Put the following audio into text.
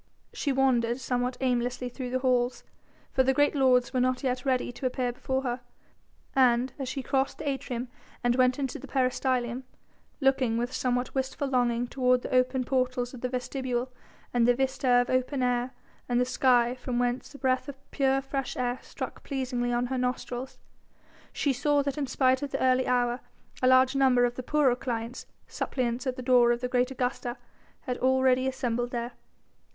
She wandered somewhat aimlessly through the halls, for the great lords were not yet ready to appear before her, and as she crossed the atrium and went into the peristylium, looking with somewhat wistful longing toward the open portals of the vestibule and the vista of open air and sky from whence a breath of pure fresh air struck pleasingly on her nostrils, she saw that in spite of the early hour a large number of the poorer clients, suppliants at the door of the great Augusta, had already assembled there.